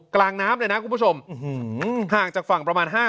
กลางน้ำเลยนะคุณผู้ชมห่างจากฝั่งประมาณห้า